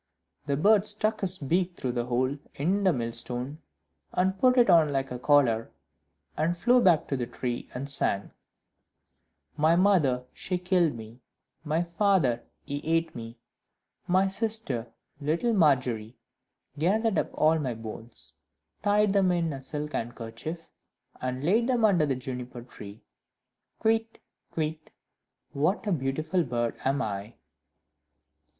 The bird stuck his neck through the hole in the millstone, and put it on like a collar, and flew back to the tree, and sang "My mother, she killed me; My father, he ate me; My sister, little Margery, Gathered up all my bones, Tied them in a silk handkerchief, And laid them under the Juniper tree: Kywitt! Kywitt! what a beautiful bird am I!"